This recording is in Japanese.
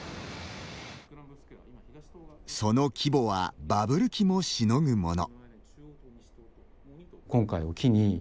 その規模はバブル期もしのぐもの。